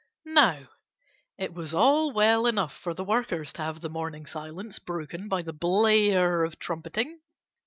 Now, it was all well enough for the workers to have the morning silence broken by the blare of trumpeting.